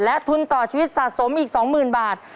ทุนต่อชีวิตสะสมอีก๒๐๐๐บาท